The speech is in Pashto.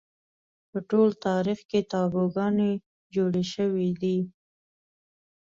په ټول تاریخ کې تابوگانې جوړې شوې دي